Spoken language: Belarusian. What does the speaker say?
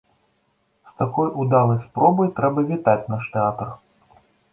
З такой удалай спробай трэба вітаць наш тэатр!